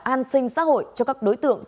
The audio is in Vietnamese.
an sinh xã hội cho các đối tượng